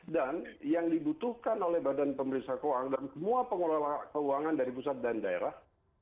dan yang dibutuhkan oleh badan pemerintah keuangan dan semua pengelola keuangan dari pusat dan daerah